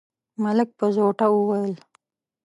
ملک په زوټه وويل: